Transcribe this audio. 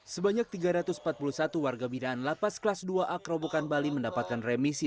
sebanyak tiga ratus empat puluh satu warga binaan lapas kelas dua a kerobokan bali mendapatkan remisi